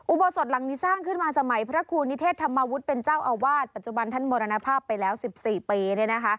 อุโบสถหลังนี้สร้างขึ้นมาสมัยพระครูนิเทศธรรมวุฒิเป็นเจ้าอาวาสปัจจุบันท่านมรณภาพไปแล้ว๑๔ปีเนี่ยนะคะ